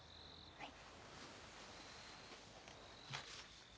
はい。